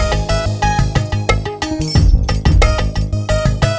bukan tempat ke tempat keempat ya